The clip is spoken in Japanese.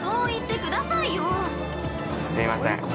◆すいません。